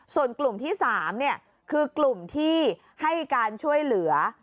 ส่วนกลุ่มที่๓คือกลุ่มที่ให้การช่วยเหลือ